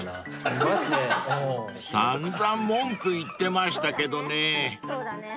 ［散々文句言ってましたけどね］